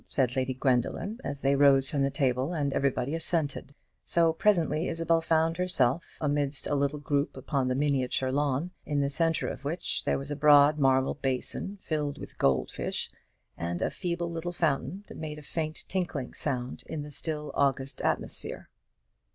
said Lady Gwendoline, as they rose from the table, and everybody assented: so presently Isabel found herself amidst a little group upon the miniature lawn, in the centre of which there was a broad marble basin, filled with gold fish, and a feeble little fountain, that made a faint tinkling sound in the still August atmosphere.